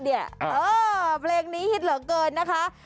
เออเพลงนี้ฮิตเหลือเกินนะคะ